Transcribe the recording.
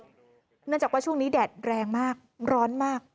เนื่องจากว่าช่วงนี้แดดแรงมากร้อนมาก